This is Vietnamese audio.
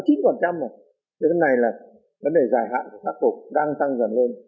thế này là vấn đề giải hạn phát phục đang tăng dần lên